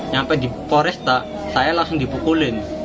sampai di foresta saya langsung dibukulin